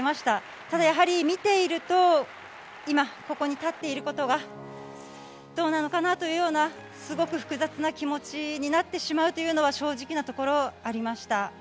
ただやはり、見ていると今、ここに立っていることがどうなのかなというすごく複雑な気持ちになってしまうというのは正直なところ、ありました。